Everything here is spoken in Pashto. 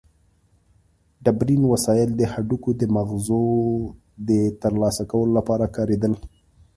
ډبرین وسایل د هډوکو د مغزو د ترلاسه کولو لپاره کارېدل.